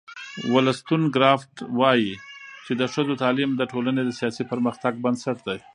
ولستون کرافټ وایي چې د ښځو تعلیم د ټولنې د سیاسي پرمختګ بنسټ دی.